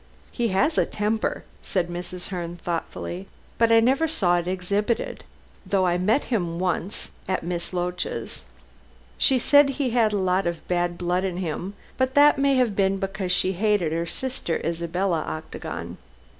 "He has a temper," said Mrs. Herne, thoughtfully, "but I never saw it exhibited, though I met him once at Miss Loach's. She said he had a lot of bad blood in him, but that may have been because she hated her sister, Isabella Octagon."